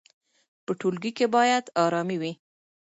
په ټولګي کې باید ارامي وي.